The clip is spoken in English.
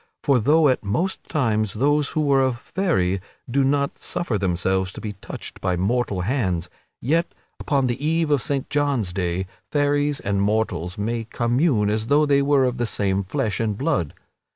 For though at most times those who are of Faery do not suffer themselves to be touched by mortal hands, yet, upon the Eve of Saint John's Day, fairies and mortals may commune as though they were of the same flesh and blood.